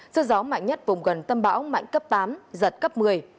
sức gió mạnh nhất vùng gần tâm bão mạnh cấp tám giật cấp một mươi